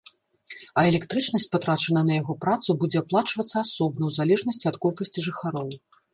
А электрычнасць, патрачаная на яго працу, будзе аплачвацца асобна ў залежнасці ад колькасці жыхароў.